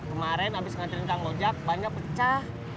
kemaren abis ngantrin kang mojak bahannya pecah